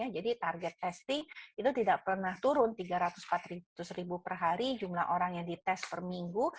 jadi target testing tidak pernah turun tiga ratus empat ratus ribu per hari jumlah orang yang dites per minggu